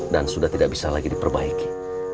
dan sudah tidak bisa lagi diperbaiki